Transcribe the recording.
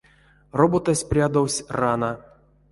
Роботась прядовсь рана.